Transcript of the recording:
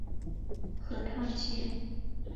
核桃街。